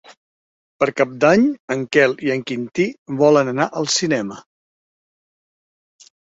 Per Cap d'Any en Quel i en Quintí volen anar al cinema.